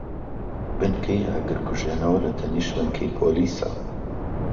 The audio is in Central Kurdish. بنکەی ئاگرکوژێنەوە لەتەنیشت بنکەی پۆلیسە.